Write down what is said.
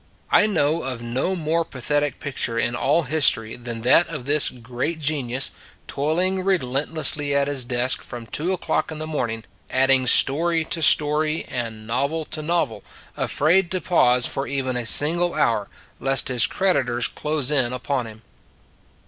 I know of no more pathetic picture in all A Course of Reading 53 history than that of this great genius, toil ing relentlessly at his desk from two o clock in the morning, adding story to story and novel to novel afraid to pause for even a single hour lest his creditors close in upon him.